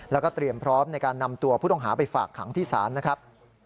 แล้วก็เตรียมพร้อมในการนำตัวผู้ต้องหาไปฝากขังที่ศาลนะครับ